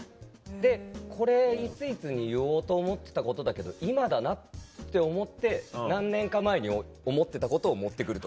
でこれいついつに言おうと思ってたことだけど今だなって思って何年か前に思ってたことを持って来るとか。